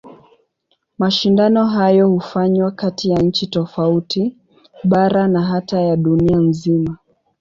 Mashindano hayo hufanywa kati ya nchi tofauti, bara na hata ya dunia nzima.